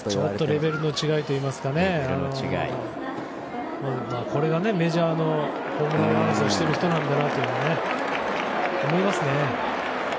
レベルの違いといいますかこれがメジャーのホームラン王争いをしてる人なんだと思いますね。